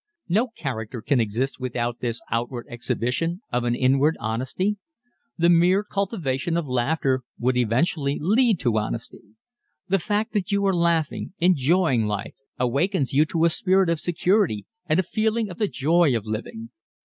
No character can exist without this outward exhibition of an inward honesty. The mere cultivation of laughter would eventually lead to honesty. The fact that you are laughing, enjoying life, awakens you to a spirit of security and a feeling of the joy of living.